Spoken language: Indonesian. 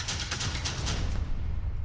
buka alubeng buka masa depan